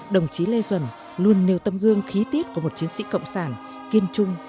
đồng chí lê duẩn luôn nêu tấm gương khí tiết của một chiến sĩ cộng sản kiên trung